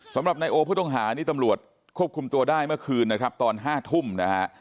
สำหรับนายโอผู้ต้องหานี่ตำรวจควบคุมตัวได้เมื่อคืนนะครับตอน๕ทุ่มนะฮะ